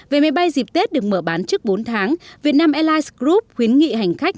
về máy bay dịp tết được mở bán trước bốn tháng vietnam airlines group khuyến nghị hành khách